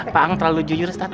pak ang terlalu jujur statis